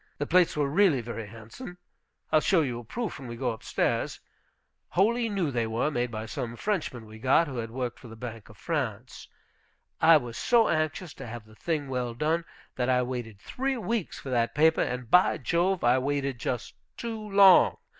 The plates were really very handsome. I'll show you a proof when we go up stairs. Wholly new they were, made by some Frenchman we got, who had worked for the Bank of France. I was so anxious to have the thing well done, that I waited three weeks for that paper, and, by Jove, I waited just too long.